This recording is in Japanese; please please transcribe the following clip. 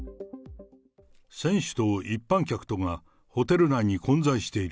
選手と一般客とがホテル内に混在している。